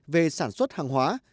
về sản xuất hàng hóa